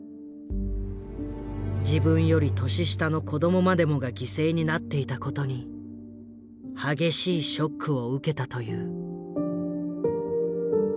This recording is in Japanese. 自分より年下の子供までもが犠牲になっていたことに激しいショックを受けたという。